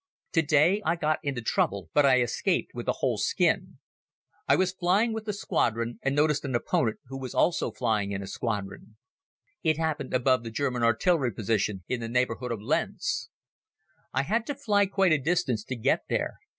To day I got into trouble but I escaped with a whole skin. I was flying with the squadron and noticed an opponent who also was flying in a squadron. It happened above the German artillery position in the neighborhood of Lens. I had to fly quite a distance to get there.